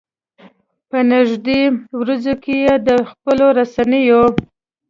په نږدې ورځو کې یې د خپلو رسنيو.